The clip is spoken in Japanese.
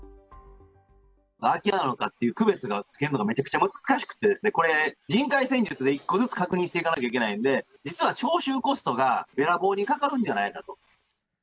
空き家なのかどうかっていう区別をつけるのがめちゃくちゃ難しくてですね、これ、人海戦術で１戸ずつ確認していかないといけないんで、実は徴収コストがべらぼうにかかるんじゃないかと。